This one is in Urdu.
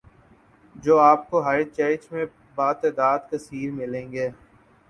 جو آپ کو ہر چرچ میں بتعداد کثیر ملیں گے